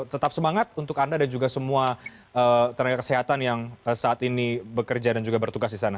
tetap semangat untuk anda dan juga semua tenaga kesehatan yang saat ini bekerja dan juga bertugas di sana